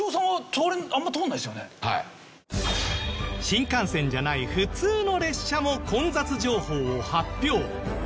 新幹線じゃない普通の列車も混雑情報を発表。